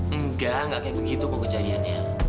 enggak enggak kayak begitu kok kejadiannya